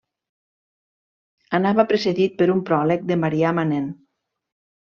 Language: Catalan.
Anava precedit per un pròleg de Marià Manent.